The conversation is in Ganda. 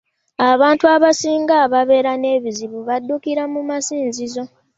Abantu abasinga ababeera n'ebizibu badukira mu masinzizo.